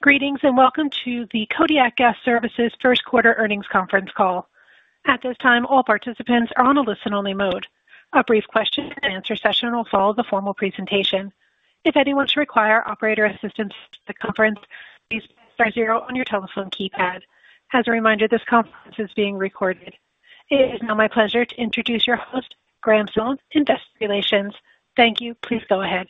Greetings and welcome to the Kodiak Gas Services First Quarter Earnings Conference Call. At this time, all participants are on a listen-only mode. A brief question-and-answer session will follow the formal presentation. If anyone should require operator assistance at the conference, please press star zero on your telephone keypad. As a reminder, this conference is being recorded. It is now my pleasure to introduce your host, Graham Sones, Investor Relations. Thank you. Please go ahead.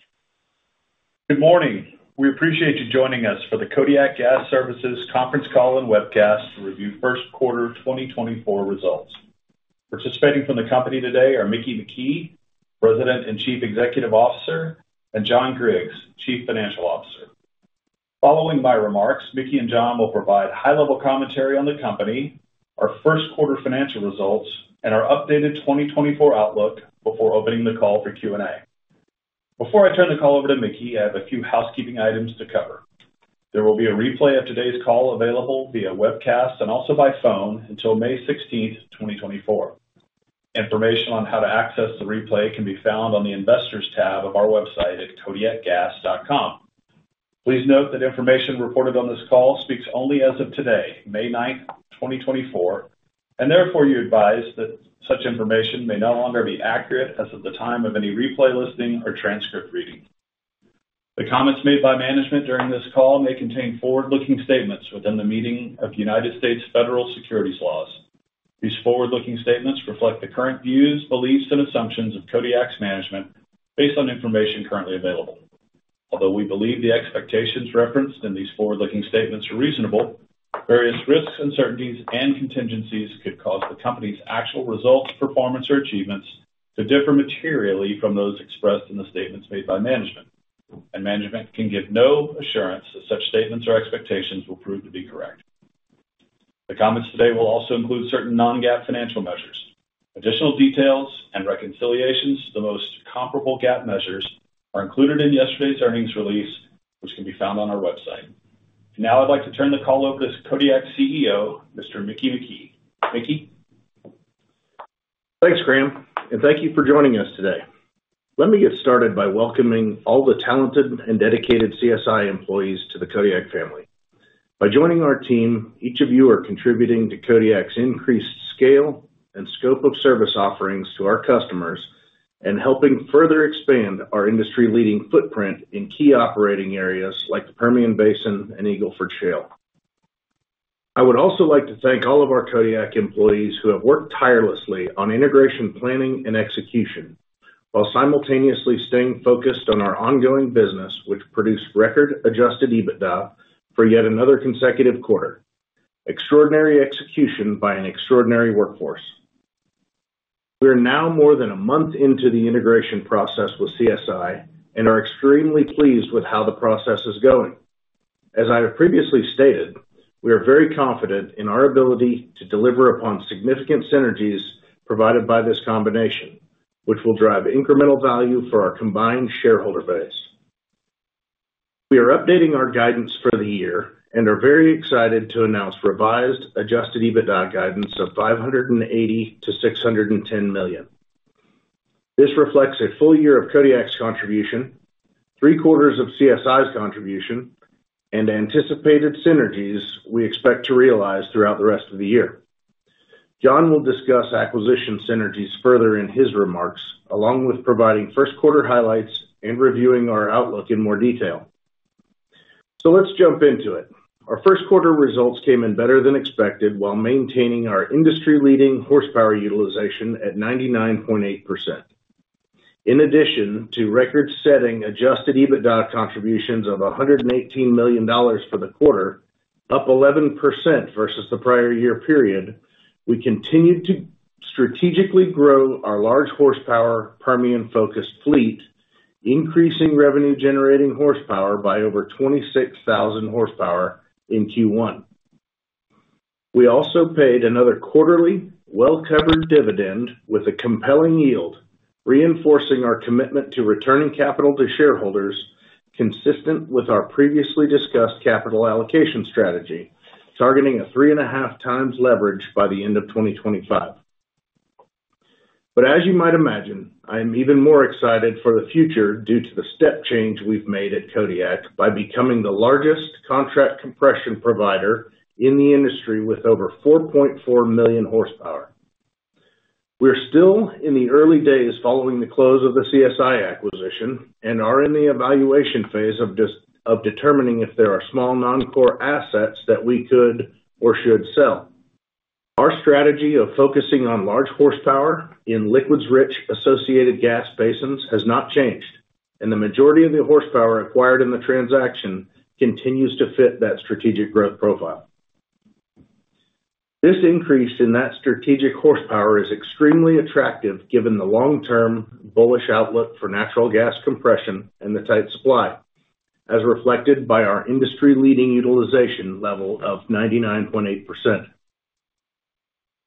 Good morning. We appreciate you joining us for the Kodiak Gas Services conference call and webcast to review first quarter 2024 results. Participating from the company today are Mickey McKee, President and Chief Executive Officer, and John Griggs, Chief Financial Officer. Following my remarks, Mickey and John will provide high-level commentary on the company, our first quarter financial results, and our updated 2024 outlook before opening the call for Q&A. Before I turn the call over to Mickey, I have a few housekeeping items to cover. There will be a replay of today's call available via webcast and also by phone until May 16, 2024. Information on how to access the replay can be found on the Investors tab of our website at kodiakgas.com. Please note that information reported on this call speaks only as of today, May 9, 2024, and therefore you're advised that such information may no longer be accurate as of the time of any replay listening or transcript reading. The comments made by management during this call may contain forward-looking statements within the meaning of United States federal securities laws. These forward-looking statements reflect the current views, beliefs, and assumptions of Kodiak's management based on information currently available. Although we believe the expectations referenced in these forward-looking statements are reasonable, various risks, uncertainties, and contingencies could cause the company's actual results, performance, or achievements to differ materially from those expressed in the statements made by management, and management can give no assurance that such statements or expectations will prove to be correct. The comments today will also include certain non-GAAP financial measures. Additional details and reconciliations to the most comparable GAAP measures are included in yesterday's earnings release, which can be found on our website. Now I'd like to turn the call over to Kodiak CEO, Mr. Mickey McKee. Mickey? Thanks, Graham, and thank you for joining us today. Let me get started by welcoming all the talented and dedicated CSI employees to the Kodiak family. By joining our team, each of you are contributing to Kodiak's increased scale and scope of service offerings to our customers and helping further expand our industry-leading footprint in key operating areas like the Permian Basin and Eagle Ford Shale. I would also like to thank all of our Kodiak employees who have worked tirelessly on integration planning and execution while simultaneously staying focused on our ongoing business, which produced record adjusted EBITDA for yet another consecutive quarter. Extraordinary execution by an extraordinary workforce. We are now more than a month into the integration process with CSI and are extremely pleased with how the process is going. As I have previously stated, we are very confident in our ability to deliver upon significant synergies provided by this combination, which will drive incremental value for our combined shareholder base. We are updating our guidance for the year and are very excited to announce revised adjusted EBITDA guidance of $580 million-$610 million. This reflects a full year of Kodiak's contribution, three quarters of CSI's contribution, and anticipated synergies we expect to realize throughout the rest of the year. John will discuss acquisition synergies further in his remarks, along with providing first quarter highlights and reviewing our outlook in more detail. So let's jump into it. Our first quarter results came in better than expected while maintaining our industry-leading horsepower utilization at 99.8%. In addition to record-setting adjusted EBITDA contributions of $118 million for the quarter, up 11% versus the prior year period, we continued to strategically grow our large horsepower Permian-focused fleet, increasing revenue-generating horsepower by over 26,000 horsepower in Q1. We also paid another quarterly well-covered dividend with a compelling yield, reinforcing our commitment to returning capital to shareholders consistent with our previously discussed capital allocation strategy, targeting a 3.5x leverage by the end of 2025. But as you might imagine, I am even more excited for the future due to the step change we've made at Kodiak by becoming the largest contract compression provider in the industry with over 4.4 million horsepower. We are still in the early days following the close of the CSI acquisition and are in the evaluation phase of determining if there are small non-core assets that we could or should sell. Our strategy of focusing on large horsepower in liquids-rich associated gas basins has not changed, and the majority of the horsepower acquired in the transaction continues to fit that strategic growth profile. This increase in that strategic horsepower is extremely attractive given the long-term bullish outlook for natural gas compression and the tight supply, as reflected by our industry-leading utilization level of 99.8%.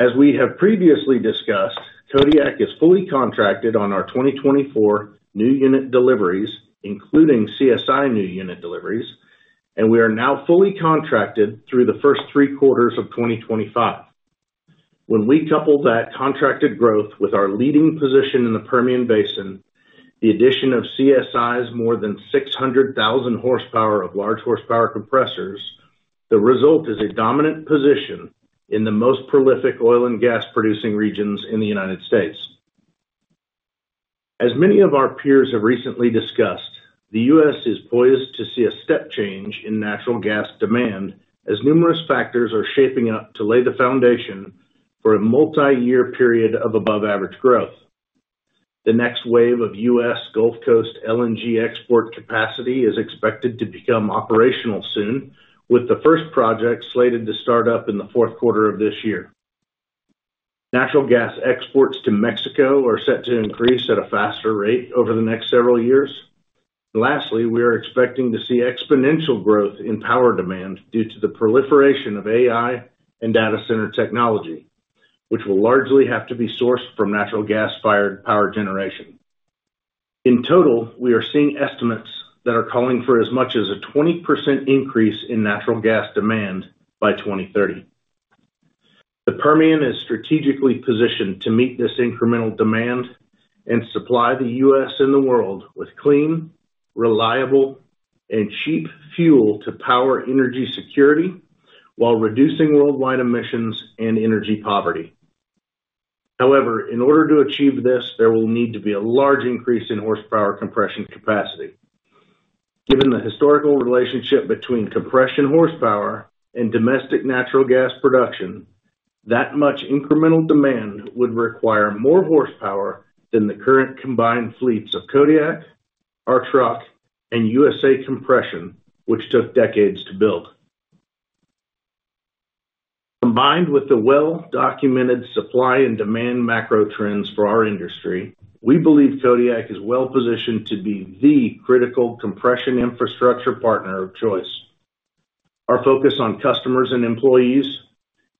As we have previously discussed, Kodiak is fully contracted on our 2024 new unit deliveries, including CSI new unit deliveries, and we are now fully contracted through the first three quarters of 2025. When we couple that contracted growth with our leading position in the Permian Basin, the addition of CSI's more than 600,000 horsepower of large horsepower compressors, the result is a dominant position in the most prolific oil and gas-producing regions in the United States. As many of our peers have recently discussed, the U.S. is poised to see a step change in natural gas demand as numerous factors are shaping up to lay the foundation for a multi-year period of above-average growth. The next wave of U.S. Gulf Coast LNG export capacity is expected to become operational soon, with the first project slated to start up in the fourth quarter of this year. Natural gas exports to Mexico are set to increase at a faster rate over the next several years. Lastly, we are expecting to see exponential growth in power demand due to the proliferation of A.I. and data center technology, which will largely have to be sourced from natural gas-fired power generation. In total, we are seeing estimates that are calling for as much as a 20% increase in natural gas demand by 2030. The Permian is strategically positioned to meet this incremental demand and supply the U.S. and the world with clean, reliable, and cheap fuel to power energy security while reducing worldwide emissions and energy poverty. However, in order to achieve this, there will need to be a large increase in horsepower compression capacity. Given the historical relationship between compression horsepower and domestic natural gas production, that much incremental demand would require more horsepower than the current combined fleets of Kodiak, Archrock, and USA Compression, which took decades to build. Combined with the well-documented supply and demand macro trends for our industry, we believe Kodiak is well-positioned to be the critical compression infrastructure partner of choice. Our focus on customers and employees,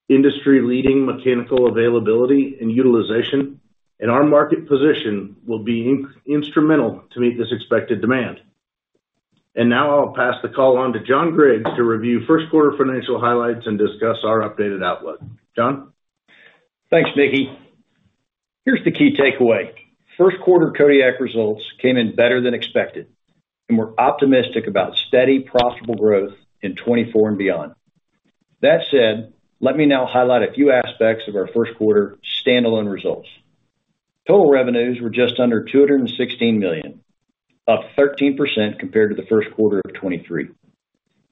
industry-leading mechanical availability and utilization, and our market position will be instrumental to meet this expected demand. Now I'll pass the call on to John Griggs to review first quarter financial highlights and discuss our updated outlook. John? Thanks, Mickey. Here's the key takeaway. First quarter Kodiak results came in better than expected, and we're optimistic about steady, profitable growth in 2024 and beyond. That said, let me now highlight a few aspects of our first quarter standalone results. Total revenues were just under $216 million, up 13% compared to the first quarter of 2023.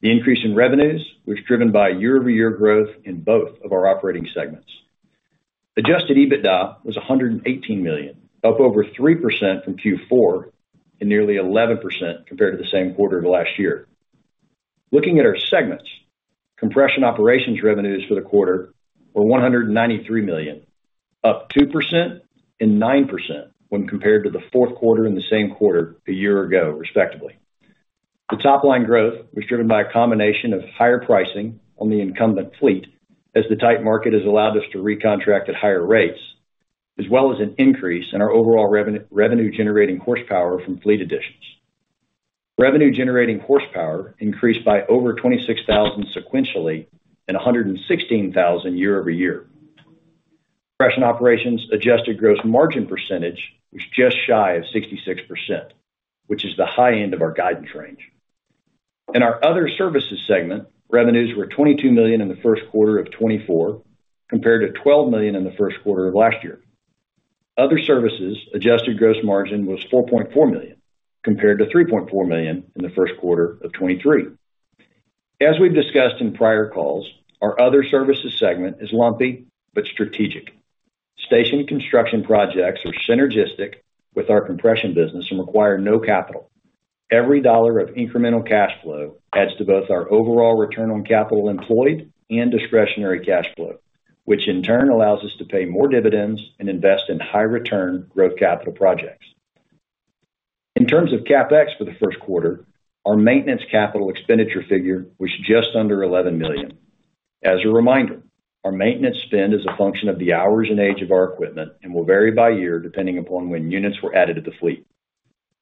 The increase in revenues was driven by year-over-year growth in both of our operating segments. Adjusted EBITDA was $118 million, up over 3% from Q4 and nearly 11% compared to the same quarter of last year. Looking at our segments, compression operations revenues for the quarter were $193 million, up 2% and 9% when compared to the fourth quarter and the same quarter a year ago, respectively. The top-line growth was driven by a combination of higher pricing on the incumbent fleet as the tight market has allowed us to recontract at higher rates, as well as an increase in our overall revenue-generating horsepower from fleet additions. Revenue-generating horsepower increased by over 26,000 sequentially and 116,000 year-over-year. Compression operations adjusted gross margin percentage was just shy of 66%, which is the high end of our guidance range. In our other services segment, revenues were $22 million in the first quarter of 2024 compared to $12 million in the first quarter of last year. Other services adjusted gross margin was $4.4 million compared to $3.4 million in the first quarter of 2023. As we've discussed in prior calls, our other services segment is lumpy but strategic. Station construction projects are synergistic with our compression business and require no capital. Every dollar of incremental cash flow adds to both our overall return on capital employed and discretionary cash flow, which in turn allows us to pay more dividends and invest in high-return growth capital projects. In terms of CapEx for the first quarter, our maintenance capital expenditure figure was just under $11 million. As a reminder, our maintenance spend is a function of the hours and age of our equipment and will vary by year depending upon when units were added to the fleet.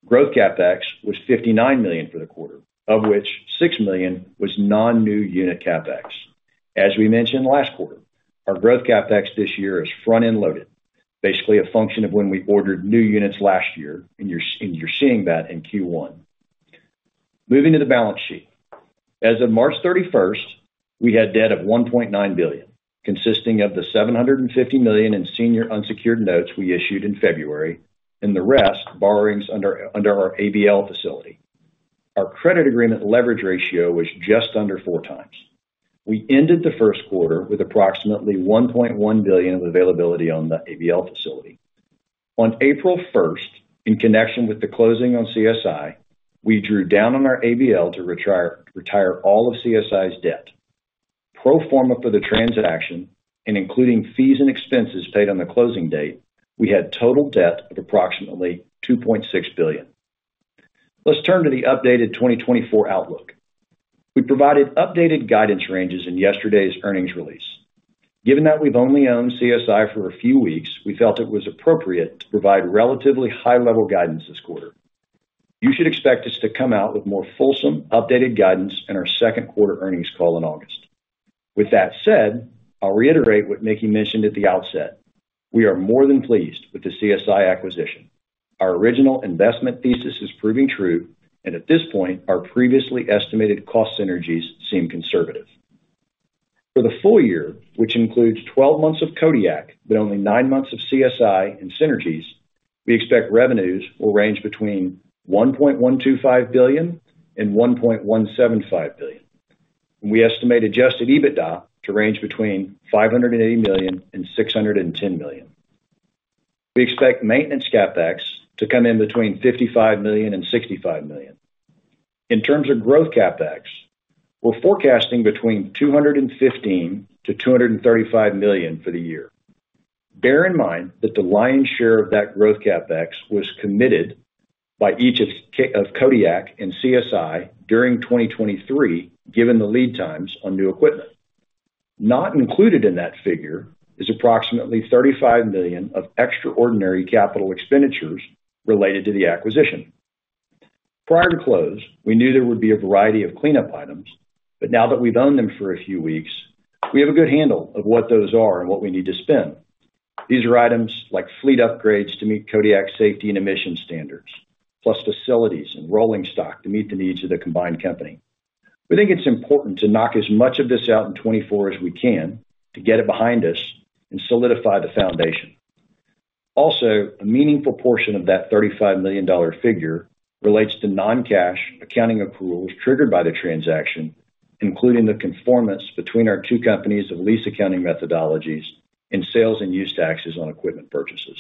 Growth CapEx was $59 million for the quarter, of which $6 million was non-new unit CapEx. As we mentioned last quarter, our growth CapEx this year is front-end loaded, basically a function of when we ordered new units last year, and you're seeing that in Q1. Moving to the balance sheet. As of March 31st, we had debt of $1.9 billion, consisting of the $750 million in senior unsecured notes we issued in February and the rest borrowings under our ABL facility. Our credit agreement leverage ratio was just under four times. We ended the first quarter with approximately $1.1 billion of availability on the ABL facility. On April 1st, in connection with the closing on CSI, we drew down on our ABL to retire all of CSI's debt. Pro forma for the transaction and including fees and expenses paid on the closing date, we had total debt of approximately $2.6 billion. Let's turn to the updated 2024 outlook. We provided updated guidance ranges in yesterday's earnings release. Given that we've only owned CSI for a few weeks, we felt it was appropriate to provide relatively high-level guidance this quarter. You should expect us to come out with more fulsome, updated guidance in our second quarter earnings call in August. With that said, I'll reiterate what Mickey mentioned at the outset. We are more than pleased with the CSI acquisition. Our original investment thesis is proving true, and at this point, our previously estimated cost synergies seem conservative. For the full year, which includes 12 months of Kodiak but only nine months of CSI and synergies, we expect revenues will range between $1.125 billion and $1.175 billion. We estimate Adjusted EBITDA to range between $580 million and $610 million. We expect Maintenance CapEx to come in between $55 million and $65 million. In terms of Growth CapEx, we're forecasting between $215 million-$235 million for the year. Bear in mind that the lion's share of that growth CapEx was committed by each of Kodiak and CSI during 2023 given the lead times on new equipment. Not included in that figure is approximately $35 million of extraordinary capital expenditures related to the acquisition. Prior to close, we knew there would be a variety of cleanup items, but now that we've owned them for a few weeks, we have a good handle of what those are and what we need to spend. These are items like fleet upgrades to meet Kodiak's safety and emission standards, plus facilities and rolling stock to meet the needs of the combined company. We think it's important to knock as much of this out in 2024 as we can to get it behind us and solidify the foundation. Also, a meaningful portion of that $35 million figure relates to non-cash accounting accruals triggered by the transaction, including the conformance between our two companies of lease accounting methodologies and sales and use taxes on equipment purchases.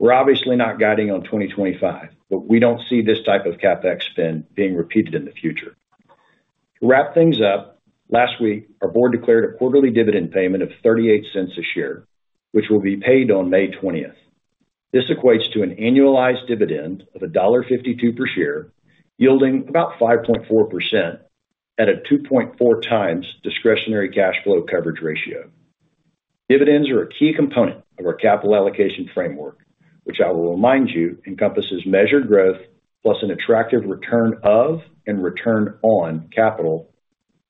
We're obviously not guiding on 2025, but we don't see this type of CapEx spend being repeated in the future. To wrap things up, last week, our board declared a quarterly dividend payment of $0.38 a year, which will be paid on May 20th. This equates to an annualized dividend of $1.52 per year, yielding about 5.4% at a 2.4x discretionary cash flow coverage ratio. Dividends are a key component of our capital allocation framework, which I will remind you encompasses measured growth plus an attractive return of and return on capital,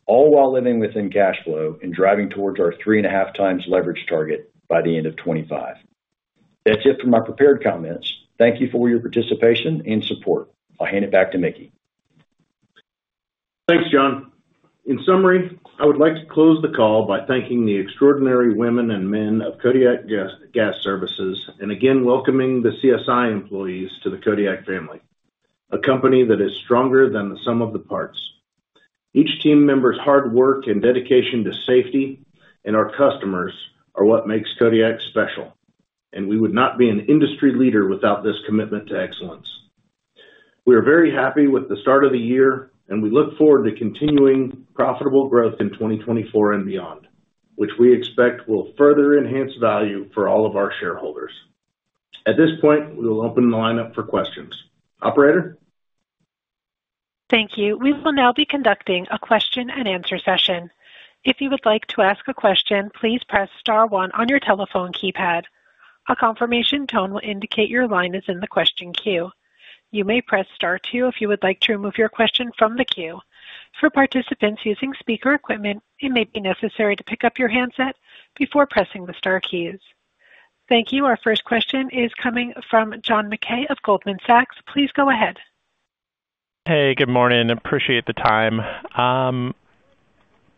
all while living within cash flow and driving towards our 3.5x leverage target by the end of 2025. That's it for my prepared comments. Thank you for your participation and support. I'll hand it back to Mickey. Thanks, John. In summary, I would like to close the call by thanking the extraordinary women and men of Kodiak Gas Services and again welcoming the CSI employees to the Kodiak family, a company that is stronger than the sum of the parts. Each team member's hard work and dedication to safety and our customers are what makes Kodiak special, and we would not be an industry leader without this commitment to excellence. We are very happy with the start of the year, and we look forward to continuing profitable growth in 2024 and beyond, which we expect will further enhance value for all of our shareholders. At this point, we will open the line up for questions. Operator? Thank you. We will now be conducting a question and answer session. If you would like to ask a question, please press star one on your telephone keypad. A confirmation tone will indicate your line is in the question queue. You may press star two if you would like to remove your question from the queue. For participants using speaker equipment, it may be necessary to pick up your handset before pressing the star keys. Thank you. Our first question is coming from John Mackay of Goldman Sachs. Please go ahead. Hey, good morning. Appreciate the time.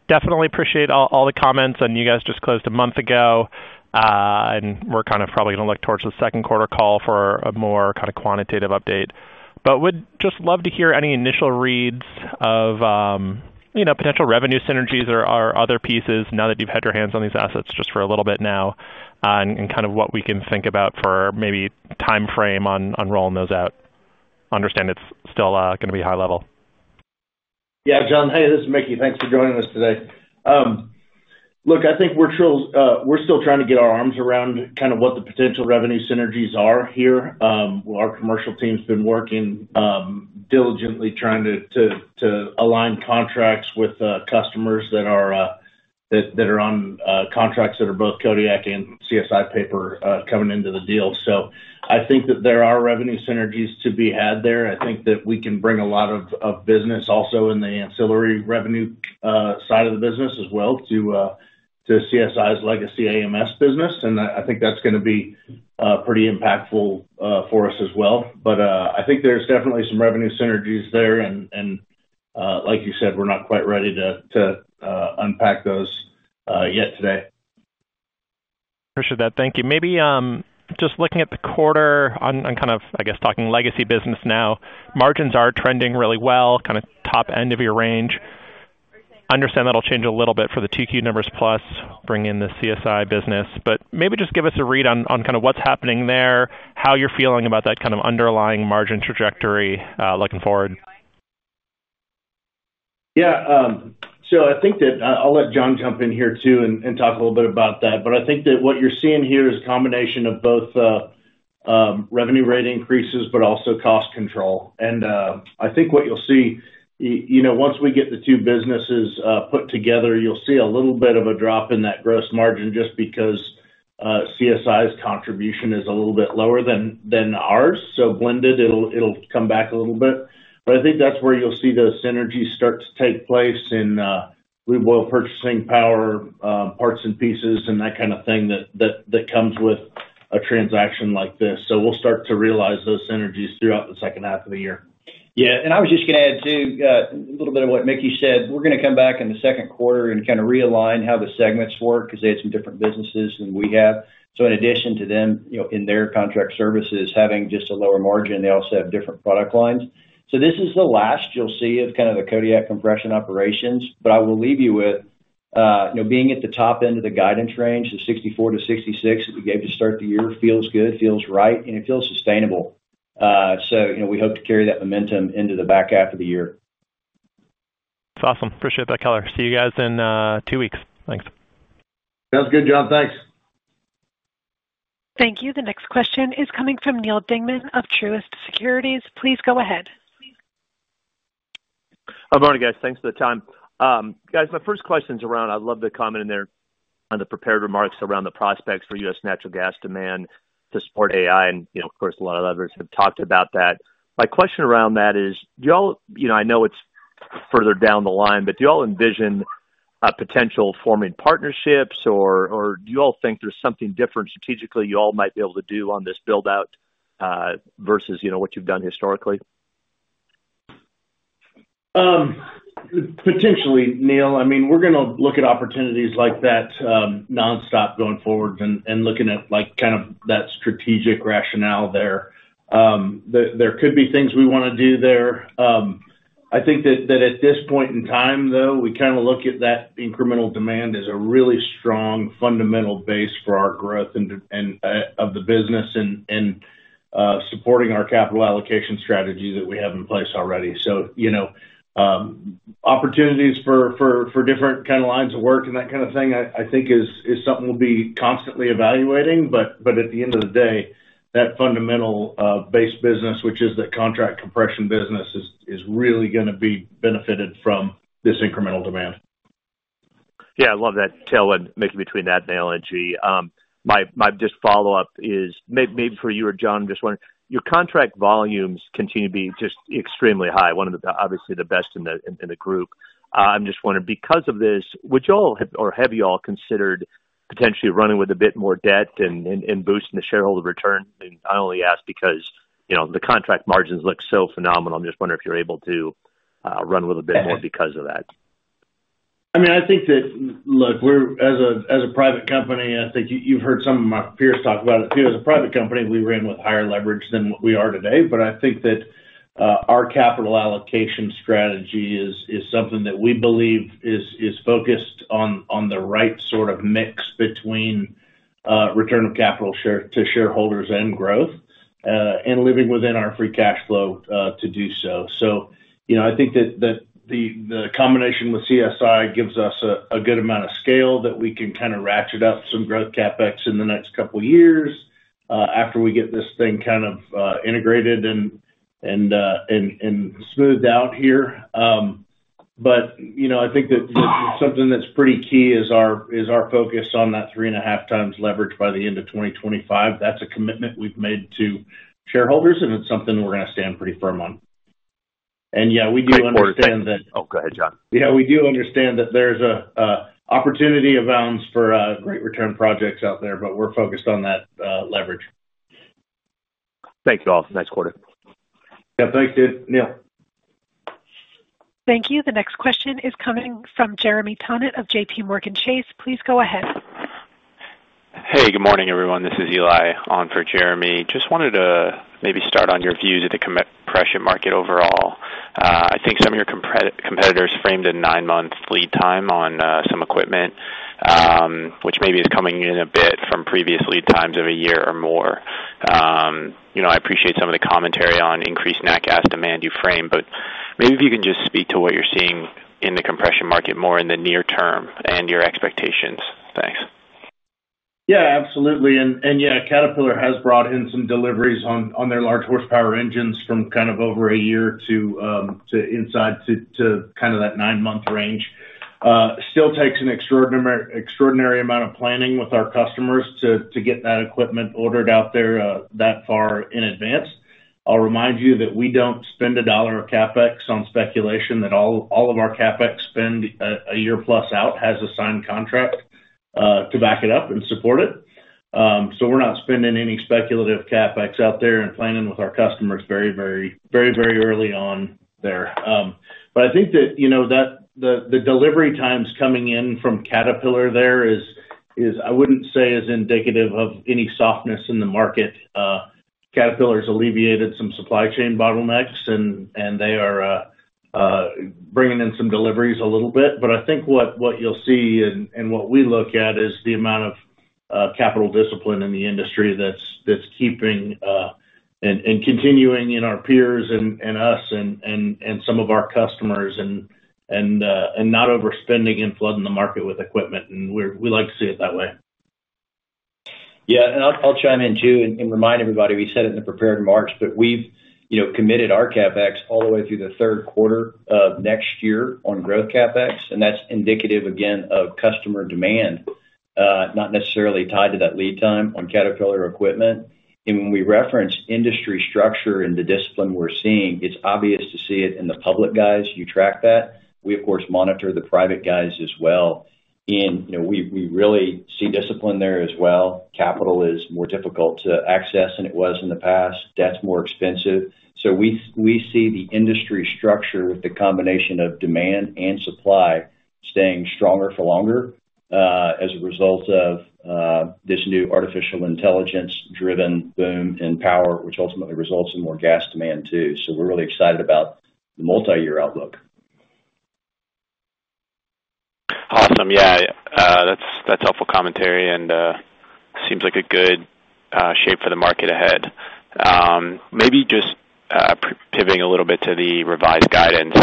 Definitely appreciate all the comments. You guys just closed a month ago, and we're kind of probably going to look towards the second quarter call for a more kind of quantitative update. But would just love to hear any initial reads of potential revenue synergies or other pieces now that you've had your hands on these assets just for a little bit now and kind of what we can think about for maybe time frame on rolling those out. Understand it's still going to be high level. Yeah, John. Hey, this is Mickey. Thanks for joining us today. Look, I think we're still trying to get our arms around kind of what the potential revenue synergies are here. Our commercial team's been working diligently trying to align contracts with customers that are on contracts that are both Kodiak and CSI paper coming into the deal. So I think that there are revenue synergies to be had there. I think that we can bring a lot of business also in the ancillary revenue side of the business as well to CSI's legacy AMS business. And I think that's going to be pretty impactful for us as well. But I think there's definitely some revenue synergies there. And like you said, we're not quite ready to unpack those yet today. Appreciate that. Thank you. Maybe just looking at the quarter on kind of, I guess, talking legacy business now, margins are trending really well, kind of top end of your range. Understand that'll change a little bit for the 2Q numbers plus bringing in the CSI business. But maybe just give us a read on kind of what's happening there, how you're feeling about that kind of underlying margin trajectory looking forward. Yeah. So I think that I'll let John jump in here too and talk a little bit about that. But I think that what you're seeing here is a combination of both revenue rate increases but also cost control. And I think what you'll see, once we get the two businesses put together, you'll see a little bit of a drop in that gross margin just because CSI's contribution is a little bit lower than ours. So blended, it'll come back a little bit. But I think that's where you'll see those synergies start to take place in lube oil purchasing power, parts and pieces, and that kind of thing that comes with a transaction like this. So we'll start to realize those synergies throughout the second half of the year. Yeah. I was just going to add to a little bit of what Mickey said. We're going to come back in the second quarter and kind of realign how the segments work because they had some different businesses than we have. So in addition to them, in their contract services, having just a lower margin, they also have different product lines. So this is the last you'll see of kind of the Kodiak compression operations. But I will leave you with, being at the top end of the guidance range, the 64%-66% that we gave to start the year feels good, feels right, and it feels sustainable. So we hope to carry that momentum into the back half of the year. That's awesome. Appreciate that color. See you guys in two weeks. Thanks. Sounds good, John. Thanks. Thank you. The next question is coming from Neal Dingmann of Truist Securities. Please go ahead. I'm on it, guys. Thanks for the time. Guys, my first question's around. I love the comment in there on the prepared remarks around the prospects for U.S. natural gas demand to support AI. And of course, a lot of others have talked about that. My question around that is, do y'all? I know it's further down the line, but do y'all envision potential forming partnerships? Or do you all think there's something different strategically you all might be able to do on this buildout versus what you've done historically? Potentially, Neal. I mean, we're going to look at opportunities like that nonstop going forward and looking at kind of that strategic rationale there. There could be things we want to do there. I think that at this point in time, though, we kind of look at that incremental demand as a really strong fundamental base for our growth of the business and supporting our capital allocation strategy that we have in place already. So opportunities for different kind of lines of work and that kind of thing, I think, is something we'll be constantly evaluating. But at the end of the day, that fundamental-based business, which is the contract compression business, is really going to be benefited from this incremental demand. Yeah. I love that tail end, Mickey, between that and the analogy, my just follow-up is maybe for you or John. I'm just wondering, your contract volumes continue to be just extremely high, obviously the best in the group. I'm just wondering, because of this, would y'all or have y'all considered potentially running with a bit more debt and boosting the shareholder return? And I only ask because the contract margins look so phenomenal. I'm just wondering if you're able to run with a bit more because of that. I mean, I think that, look, as a private company, I think you've heard some of my peers talk about it too. As a private company, we ran with higher leverage than we are today. But I think that our capital allocation strategy is something that we believe is focused on the right sort of mix between return of capital to shareholders and growth and living within our free cash flow to do so. So I think that the combination with CSI gives us a good amount of scale that we can kind of ratchet up some growth CapEx in the next couple of years after we get this thing kind of integrated and smoothed out here. But I think that something that's pretty key is our focus on that 3.5x leverage by the end of 2025. That's a commitment we've made to shareholders, and it's something we're going to stand pretty firm on. And yeah, we do understand that. Oh, go ahead, John. Yeah, we do understand that there's opportunities abound for great return projects out there, but we're focused on that leverage. Thank you all. Nice quarter. Yeah. Thanks, dude. Neal. Thank you. The next question is coming from Jeremy Tonet of J.P. Morgan. Please go ahead. Hey, good morning, everyone. This is Eli on for Jeremy. Just wanted to maybe start on your views of the compression market overall. I think some of your competitors framed a nine-month lead time on some equipment, which maybe is coming in a bit from previous lead times of a year or more. I appreciate some of the commentary on increased nat gas demand you frame, but maybe if you can just speak to what you're seeing in the compression market more in the near term and your expectations. Thanks. Yeah, absolutely. And yeah, Caterpillar has brought in some deliveries on their large horsepower engines from kind of over a year to inside to kind of that nine-month range. Still takes an extraordinary amount of planning with our customers to get that equipment ordered out there that far in advance. I'll remind you that we don't spend $1 of CapEx on speculation. That all of our CapEx spend a year-plus out has a signed contract to back it up and support it. So we're not spending any speculative CapEx out there and planning with our customers very, very, very, very early on there. But I think that the delivery times coming in from Caterpillar there is, I wouldn't say, indicative of any softness in the market. Caterpillar has alleviated some supply chain bottlenecks, and they are bringing in some deliveries a little bit. I think what you'll see and what we look at is the amount of capital discipline in the industry that's keeping and continuing in our peers and us and some of our customers and not overspending and flooding the market with equipment. We like to see it that way. Yeah. I'll chime in too and remind everybody. We said it in the prepared remarks, but we've committed our CapEx all the way through the third quarter of next year on Growth CapEx. That's indicative, again, of customer demand, not necessarily tied to that lead time on Caterpillar equipment. When we reference industry structure and the discipline we're seeing, it's obvious to see it in the public guys. You track that. We, of course, monitor the private guys as well. We really see discipline there as well. Capital is more difficult to access than it was in the past. Debt's more expensive. We see the industry structure with the combination of demand and supply staying stronger for longer as a result of this new artificial intelligence-driven boom in power, which ultimately results in more gas demand too. We're really excited about the multi-year outlook. Awesome. Yeah. That's helpful commentary, and seems like a good shape for the market ahead. Maybe just pivoting a little bit to the revised guidance,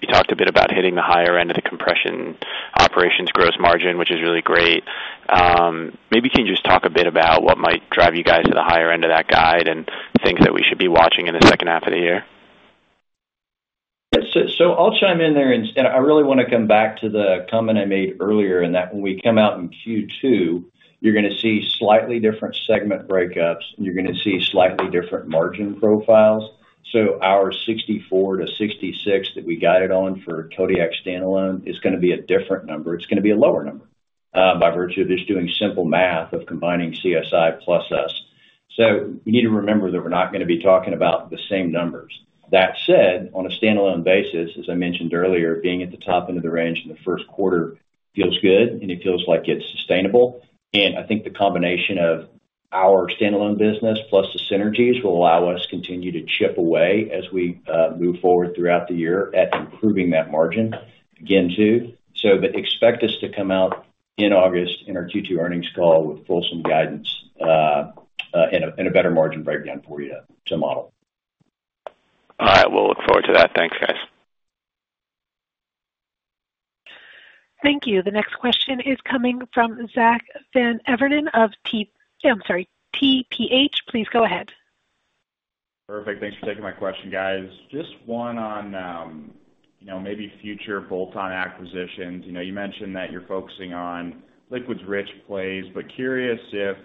you talked a bit about hitting the higher end of the compression operations gross margin, which is really great. Maybe can you just talk a bit about what might drive you guys to the higher end of that guide and things that we should be watching in the second half of the year? Yeah. So I'll chime in there. And I really want to come back to the comment I made earlier in that when we come out in Q2, you're going to see slightly different segment breakups. You're going to see slightly different margin profiles. So our 64%-66% that we guided on for Kodiak standalone is going to be a different number. It's going to be a lower number by virtue of just doing simple math of combining CSI plus us. So you need to remember that we're not going to be talking about the same numbers. That said, on a standalone basis, as I mentioned earlier, being at the top end of the range in the first quarter feels good, and it feels like it's sustainable. I think the combination of our standalone business plus the synergies will allow us to continue to chip away as we move forward throughout the year at improving that margin again too. Expect us to come out in August in our Q2 earnings call with fulsome guidance and a better margin breakdown for you to model. All right. We'll look forward to that. Thanks, guys. Thank you. The next question is coming from Zack Van Everen of T—yeah, I'm sorry, TPH. Please go ahead. Perfect. Thanks for taking my question, guys. Just one on maybe future bolt-on acquisitions. You mentioned that you're focusing on liquids-rich plays, but curious if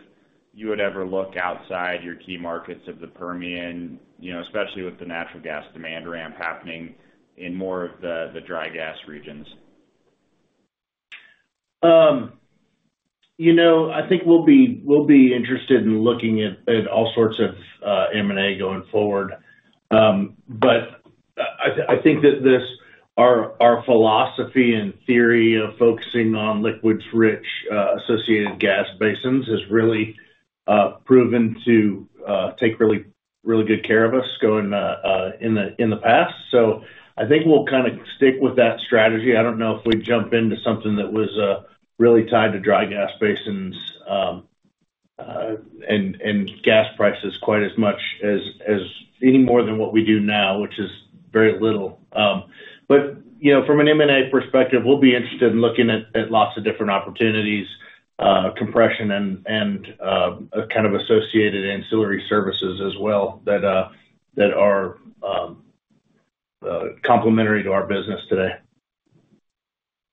you would ever look outside your key markets of the Permian, especially with the natural gas demand ramp happening in more of the dry gas regions. I think we'll be interested in looking at all sorts of M&A going forward. But I think that our philosophy and theory of focusing on liquids-rich associated gas basins has really proven to take really good care of us in the past. So I think we'll kind of stick with that strategy. I don't know if we'd jump into something that was really tied to dry gas basins and gas prices quite as much as any more than what we do now, which is very little. But from an M&A perspective, we'll be interested in looking at lots of different opportunities, compression, and kind of associated ancillary services as well that are complementary to our business today.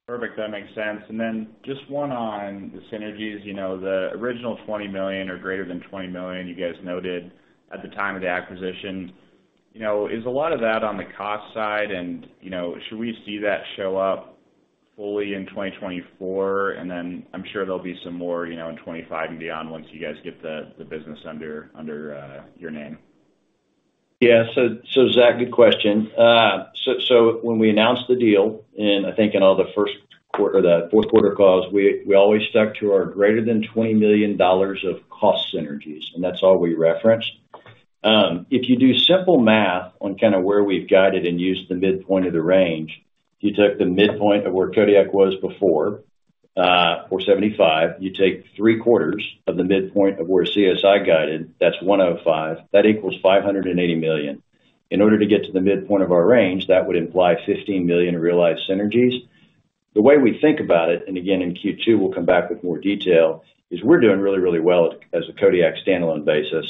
Perfect. That makes sense. And then just one on the synergies, the original $20 million or greater than $20 million you guys noted at the time of the acquisition, is a lot of that on the cost side? And should we see that show up fully in 2024? And then I'm sure there'll be some more in 2025 and beyond once you guys get the business under your name. Yeah. So Zach, good question. So when we announced the deal, and I think in all the first quarter or the fourth quarter calls, we always stuck to our greater than $20 million of cost synergies, and that's all we referenced. If you do simple math on kind of where we've guided and used the midpoint of the range, if you took the midpoint of where Kodiak was before $475 million, you take three-quarters of the midpoint of where CSI guided, that's $105 million, that equals $580 million. In order to get to the midpoint of our range, that would imply $15 million realized synergies. The way we think about it, and again, in Q2, we'll come back with more detail, is we're doing really, really well as a Kodiak standalone basis.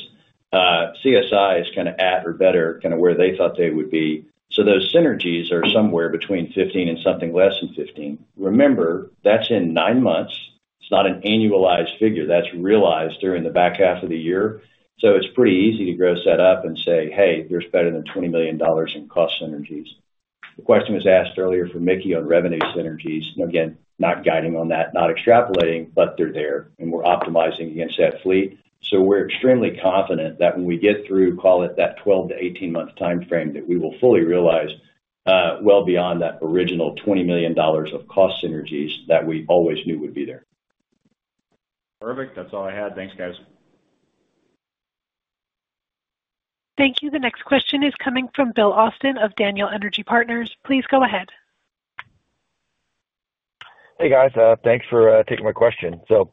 CSI is kind of at or better kind of where they thought they would be. So those synergies are somewhere between $15 million and something less than $15 million. Remember, that's in nine months. It's not an annualized figure. That's realized during the back half of the year. So it's pretty easy to gross that up and say, "Hey, there's better than $20 million in cost synergies." The question was asked earlier for Mickey on revenue synergies. Again, not guiding on that, not extrapolating, but they're there, and we're optimizing against that fleet. So we're extremely confident that when we get through, call it that 12-18-month timeframe, that we will fully realize well beyond that original $20 million of cost synergies that we always knew would be there. Perfect. That's all I had. Thanks, guys. Thank you. The next question is coming from Bill Austin of Daniel Energy Partners. Please go ahead. Hey, guys. Thanks for taking my question. So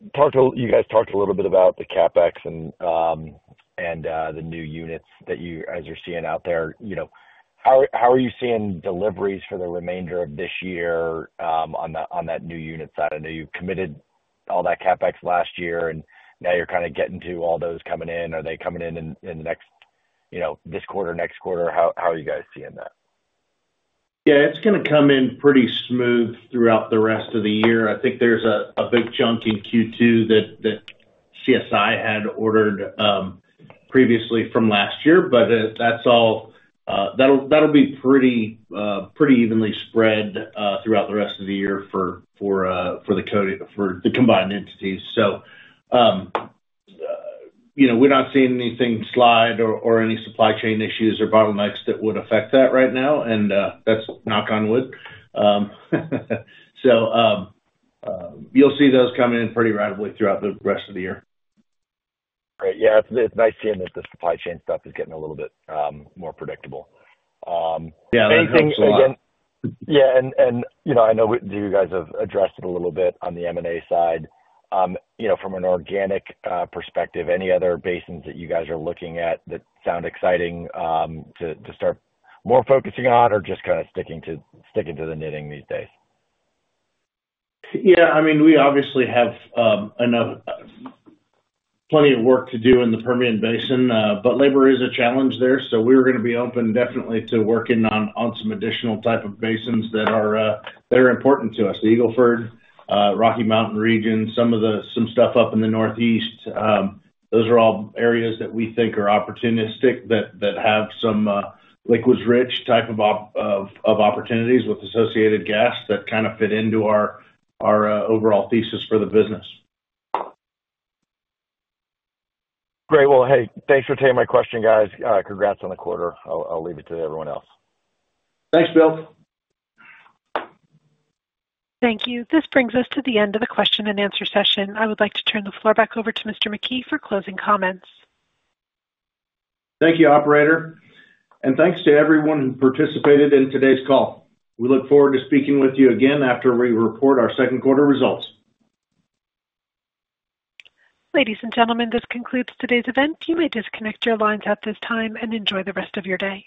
you guys talked a little bit about the CapEx and the new units that you guys are seeing out there. How are you seeing deliveries for the remainder of this year on that new unit side? I know you committed all that CapEx last year, and now you're kind of getting to all those coming in. Are they coming in in this quarter, next quarter? How are you guys seeing that? Yeah. It's going to come in pretty smooth throughout the rest of the year. I think there's a big chunk in Q2 that CSI had ordered previously from last year, but that'll be pretty evenly spread throughout the rest of the year for the combined entities. So we're not seeing anything slide or any supply chain issues or bottlenecks that would affect that right now, and that's knock on wood. So you'll see those coming in pretty rapidly throughout the rest of the year. Great. Yeah. It's nice seeing that the supply chain stuff is getting a little bit more predictable. Anything, again? Yeah. And I know you guys have addressed it a little bit on the M&A side. From an organic perspective, any other basins that you guys are looking at that sound exciting to start more focusing on or just kind of sticking to the knitting these days? Yeah. I mean, we obviously have plenty of work to do in the Permian Basin, but labor is a challenge there. So we were going to be open definitely to working on some additional type of basins that are important to us: the Eagle Ford, Rocky Mountain region, some stuff up in the Northeast. Those are all areas that we think are opportunistic that have some liquids-rich type of opportunities with associated gas that kind of fit into our overall thesis for the business. Great. Well, hey, thanks for taking my question, guys. Congrats on the quarter. I'll leave it to everyone else. Thanks, Bill. Thank you. This brings us to the end of the question and answer session. I would like to turn the floor back over to Mr. McKee for closing comments. Thank you, operator. Thanks to everyone who participated in today's call. We look forward to speaking with you again after we report our second quarter results. Ladies and gentlemen, this concludes today's event. You may disconnect your lines at this time and enjoy the rest of your day.